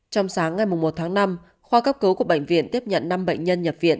trong sáng ngày một tháng năm khoa cấp cứu của bệnh viện tiếp nhận năm bệnh nhân nhập viện